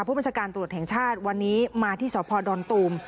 ผู้บัญชาการตรวจแห่งชาติวันนี้มาที่สพดอนตูม